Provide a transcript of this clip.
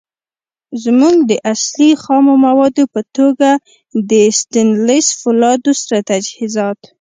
زمونږ د اصلی. خامو موادو په توګه د ستينليس فولادو سره تجهیزات